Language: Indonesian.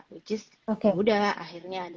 which is ya udah akhirnya ada tautan